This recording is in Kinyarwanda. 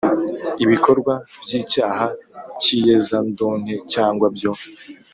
ibikorwa by icyaha cy iyezandonke cyangwa byo